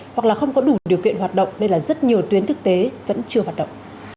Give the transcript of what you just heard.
hoặc là không có đủ điều kiện hoạt động nên là rất nhiều tuyến thực tế vẫn chưa hoạt động